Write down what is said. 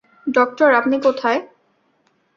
Doctor, আপনি কোথায়?